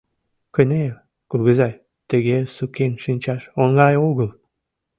Кынел, кугызай, тыге сукен шинчаш оҥай огыл.